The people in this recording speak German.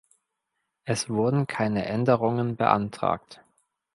Es wurden keine Änderungen beantragt.